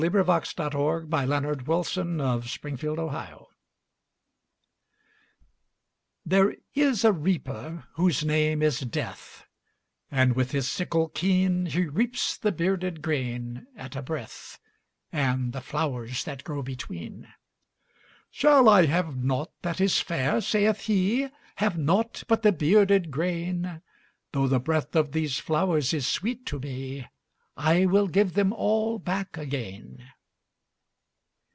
Henry Wadsworth Longfellow The Reaper And The Flowers THERE is a Reaper whose name is Death, And, with his sickle keen, He reaps the bearded grain at a breath, And the flowers that grow between. ``Shall I have nought that is fair?'' saith he; ``Have nought but the bearded grain? Though the breath of these flowers is sweet to me, I will give them all back again.''